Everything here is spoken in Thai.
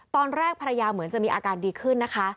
ตอนแรกภรรยาเหมือนจะมีอาการดีขึ้นนะคะ